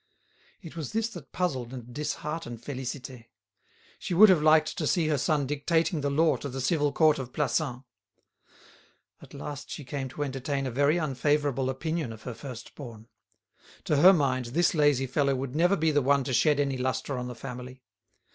It was this that puzzled and disheartened Félicité. She would have liked to see her son dictating the law to the Civil Court of Plassans. At last she came to entertain a very unfavourable opinion of her first born. To her mind this lazy fellow would never be the one to shed any lustre on the family.